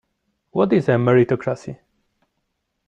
What is a meritocracy?